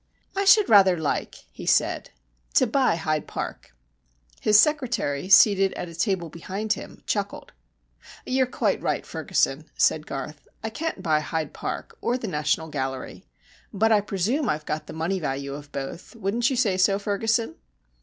"I should rather like," he said, "to buy Hyde Park." His secretary, seated at a table behind him, chuckled. "You are quite right, Ferguson," said Garth. "I can't buy Hyde Park or the National Gallery. But I presume I've got the money value of both. Wouldn't you say so, Ferguson?"